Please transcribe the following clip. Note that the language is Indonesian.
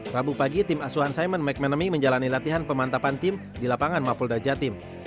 rabu pagi tim asuhan simon mcmanamy menjalani latihan pemantapan tim di lapangan mapolda jatim